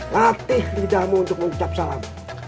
latih lidahmu untuk mengucap salam